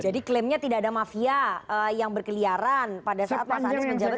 jadi klaimnya tidak ada mafia yang berkeliaran pada saat mas anies menjabat sebagai gubernur dki